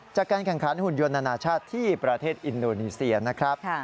จากการแข่งขันหุ่นยนนานาชาติที่ประเทศอินโดนีเซียนะครับ